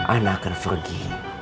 ana akan pergi